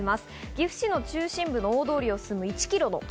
岐阜市の中心部の大通りを進む１キロ。